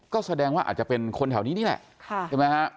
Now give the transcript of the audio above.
ก็แสดงว่าอาจจะเป็นคนแถวนี้และใช่มั้ยฮะ